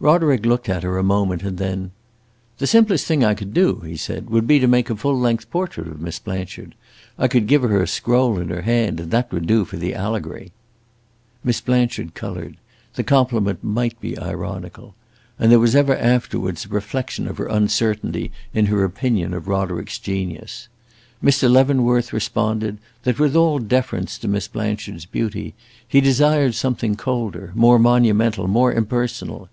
Roderick looked at her a moment, and then "The simplest thing I could do," he said, "would be to make a full length portrait of Miss Blanchard. I could give her a scroll in her hand, and that would do for the allegory." Miss Blanchard colored; the compliment might be ironical; and there was ever afterwards a reflection of her uncertainty in her opinion of Roderick's genius. Mr. Leavenworth responded that with all deference to Miss Blanchard's beauty, he desired something colder, more monumental, more impersonal.